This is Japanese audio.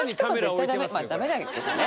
まあダメだけどね。